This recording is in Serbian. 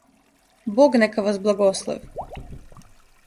Бог нека вас благослови.